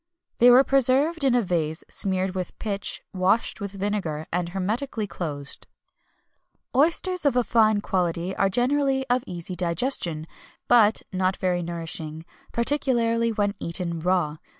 [XXI 241] They were preserved in a vase smeared with pitch, washed with vinegar, and hermetically closed.[XXI 242] "Oysters of a fine quality are generally of easy digestion, but not very nourishing, particularly when eaten raw.